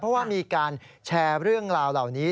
เพราะว่ามีการแชร์เรื่องราวเหล่านี้